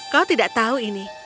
kau tidak tahu ini